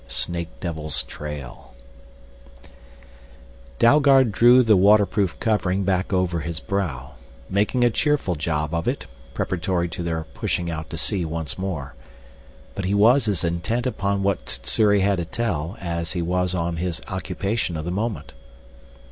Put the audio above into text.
3 SNAKE DEVIL'S TRAIL Dalgard drew the waterproof covering back over his brow, making a cheerful job of it, preparatory to their pushing out to sea once more. But he was as intent upon what Sssuri had to tell as he was on his occupation of the moment.